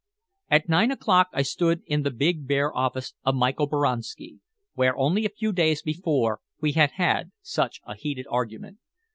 At nine o'clock I stood in the big bare office of Michael Boranski, where only a few days before we had had such a heated argument.